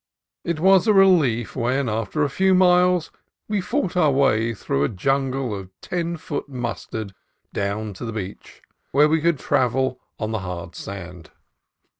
It was a relief when, after a few miles, we fought our way through a jungle of ten foot mustard down to the beach, where we could travel on the hard sand.